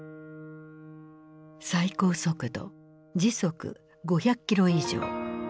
最高速度時速５００キロ以上。